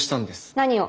何を？